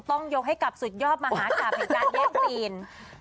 ต้องยกให้กับสุดยอดมหากราบแห่งการแย่งซีน